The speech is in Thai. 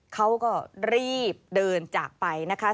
เขาก็รีบเดินจากไปนะคะ